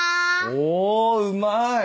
おうまい！